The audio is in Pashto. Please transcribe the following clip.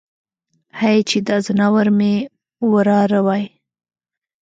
هی چې دا ځناور مې وراره وای.